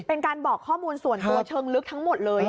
เป็นการบอกข้อมูลส่วนตัวเชิงลึกทั้งหมดเลย